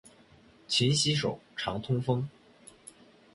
勤洗手，常通风。